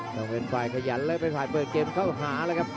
ต้องเป็นฝ่ายขยันเลยเป็นฝ่ายเปิดเกมเข้าหาแล้วครับ